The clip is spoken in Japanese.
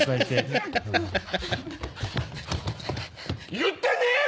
言ってねえよ。